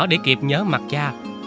để kịp nhớ mặt cha